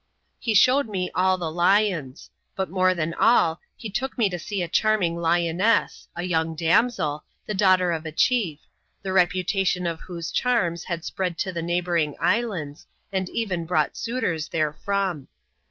He showed me all the lions ; but more than all, he took me to see a charming lioness — a young damsel — the daughter of a chief — the reputation of whose charms had spread to the neigh bouring islands, and even brought suitors therefrom.